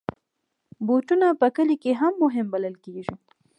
بوټونه په کلیو کې هم مهم بلل کېږي.